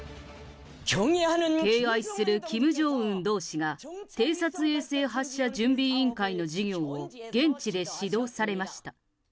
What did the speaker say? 敬愛するキム・ジョンウン同志が、偵察衛星発射準備委員会の事業を現地で指導されました。